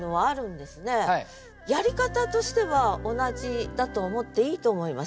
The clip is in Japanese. やり方としては同じだと思っていいと思います。